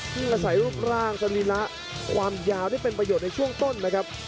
ในกระส่งรูปร่างสันลิละความยาวที่เป็นประโยชน์ในช่วงต้นนะครับ